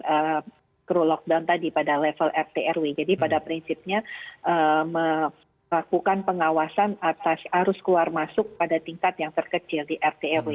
ini adalah kru lockdown tadi pada level rtrw jadi pada prinsipnya melakukan pengawasan atas arus keluar masuk pada tingkat yang terkecil di rt rw